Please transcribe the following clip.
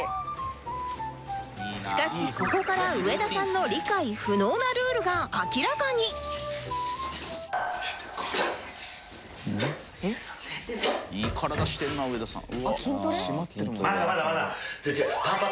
しかしここから上田さんの理解不能なルールが明らかにいい体してるな上田さん。